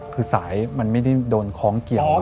คือสายมันไม่ได้โดนคล้องเกี่ยว